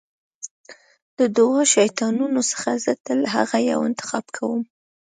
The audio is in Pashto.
د دوو شیطانانو څخه زه تل هغه یو انتخاب کوم.